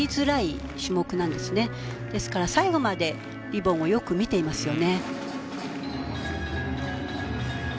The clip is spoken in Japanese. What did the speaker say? ですから最後までリボンをよく見ていますよね。